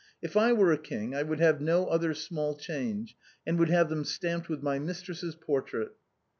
If I were a king I would have no other small change, and would have them stamped with my mistress's portrait."